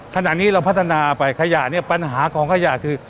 ขณะนี้เราพัฒนาไปขยะเนี่ยปัญหาของขยะคือ